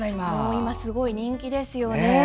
今すごい人気ですよね。